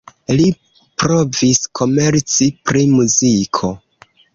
Li provis komerci pri muziko.